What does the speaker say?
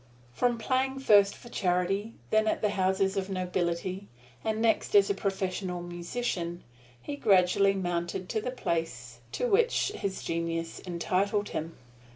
From playing first for charity, then at the houses of nobility, and next as a professional musician, he gradually mounted to the place to which his genius entitled him.